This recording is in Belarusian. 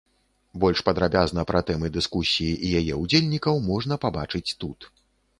Больш падрабязна пра тэмы дыскусіі і яе ўдзельнікаў можна пабачыць тут.